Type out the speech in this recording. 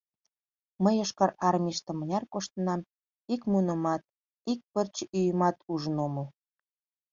Мый Йошкар Армийыште мыняр коштынам, ик мунымат, ик пырче ӱйымат ужын омыл.